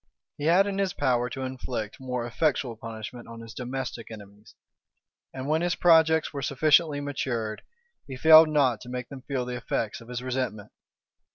He had it in his power to inflict more effectual punishment on his domestic enemies; and when his projects were sufficiently matured, he failed not to make them feel the effects of his resentment.